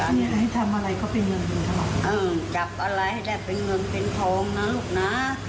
อันนี้ให้ทำอะไรก็เป็นเงินจับอะไรให้ได้เป็นเงินเป็นโทงนะลูกนะ